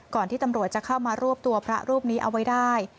ที่ตำรวจจะเข้ามารวบตัวพระรูปนี้เอาไว้ได้